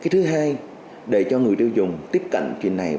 thứ hai để cho người tiêu dùng tiếp cận chuyên nghiệp